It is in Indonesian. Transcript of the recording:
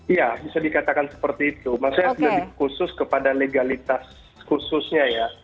iya bisa dikatakan seperti itu maksudnya lebih khusus kepada legalitas khususnya ya